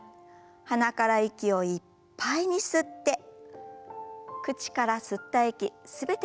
鼻から息をいっぱいに吸って口から吸った息全て吐き出しましょう。